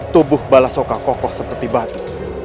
tubuh balasoka kokoh seperti batu